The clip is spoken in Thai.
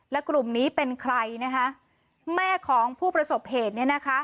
และกลุ่มนี้เป็นใครนะคะแม่ของผู้ประสบเหตุเนี่ยนะคะ